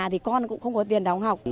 thì con cũng không có tiền đóng học